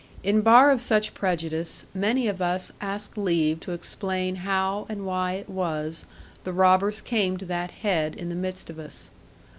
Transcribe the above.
In bar of such prejudice, many of us ask leave to explain how and why it was the robbers came to that head in the midst of us.